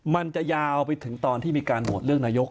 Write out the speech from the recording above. มันจะยาวไปถึงตอนที่มีการโหวตเลือกนายก